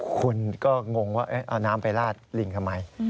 คุณก็งงว่าเอาน้ำไปลาดลิงทำไม